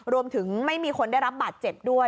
รวมถึงไม่มีคนได้รับบาดเจ็บด้วย